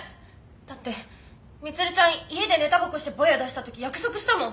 だって満ちゃん家で寝タバコしてボヤ出した時約束したもん！